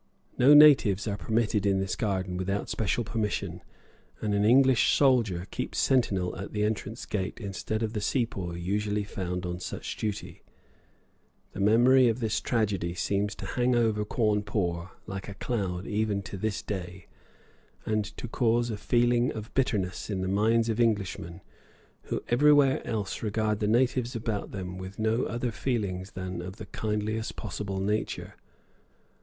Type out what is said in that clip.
No natives are permitted in this garden without special permission; and an English soldier keeps sentinel at the entrance gate instead of the Sepoy usually found on such duty. The memory of this tragedy seems to hang over Cawnpore like a cloud even to this day, and to cause a feeling of bitterness in the minds of Englishmen, who everywhere else regard the natives about them with no other feelings than of the kindliest possible nature.